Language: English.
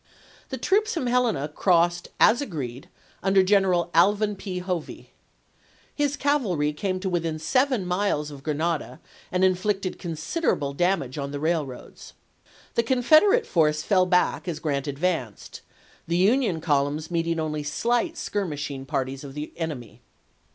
The troops from Helena crossed, as agreed, nnder General Alvin P. Hovey. His cavalry came to within seven miles of Grenada, and inflicted considerable damage on the railroads. The Con federate force fell back as Grant advanced ; the Union columns meeting only slight skirmishing parties of the enemy.